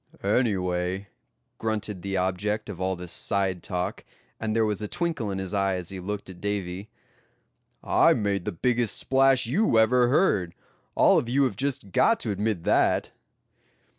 "Anyway," grunted the object of all this side talk, and there was a twinkle in his eye as he looked at Davy; "I made the biggest splash you ever heard; all of you have just got to admit that."